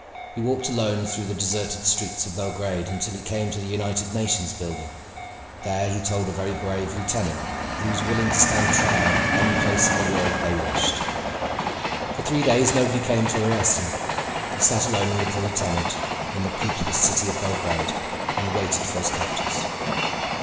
He walked alone through the deserted streets of Belgrade until he came to the United Nations building. There he told a very brave lieutenant that he was willing to stand trial any place in the world they wished. For three days nobody came to arrest him. He sat alone with the lieutenant in the peopleless city of Belgrade and waited for his captors.